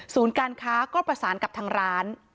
การค้าก็ประสานกับทางร้าน